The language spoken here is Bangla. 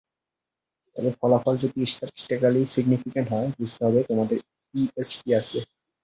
তবে ফলাফল যদি স্ট্যাটিসটিক্যালি সিগফিকেন্ট হয়, বুঝতে হবে তোমাদের ইএসপি আছে।